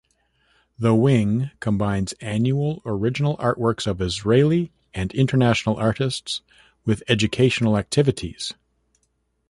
The wing combines annual original artworks of Israeli and international artists, with educational activities.